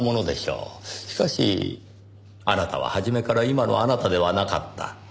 しかしあなたは初めから今のあなたではなかった。